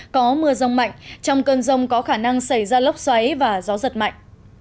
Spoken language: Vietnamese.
có mưa rông mạnh trong cơn rông có khả năng xảy ra lốc xoáy và gió giật mạnh